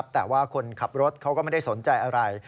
แต่ว่าคนขับรถเขาก็ไม่ได้สนใจอะไร